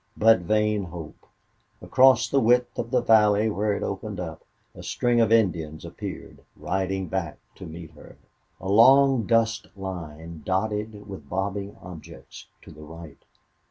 But vain hope! Across the width of the valley where it opened out, a string of Indians appeared, riding back to meet her. A long dust line, dotted with bobbing objects, to the right.